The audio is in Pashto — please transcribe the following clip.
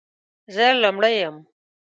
زه لومړۍ یم،